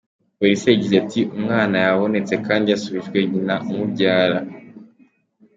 Polisi yagize iti “Umwana yabonetse kandi yasubijwe nyina umubyara.